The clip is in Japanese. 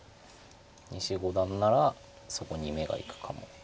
西五段ならそこに目がいくかも。